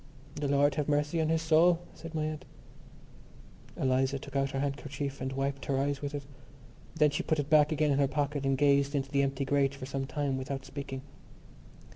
"The Lord have mercy on his soul!" said my aunt. Eliza took out her handkerchief and wiped her eyes with it. Then she put it back again in her pocket and gazed into the empty grate for some time without speaking.